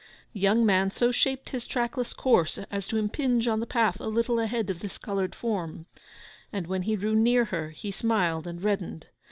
The young man so shaped his trackless course as to impinge on the path a little ahead of this coloured form, and when he drew near her he smiled and reddened.